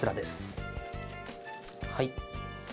はい。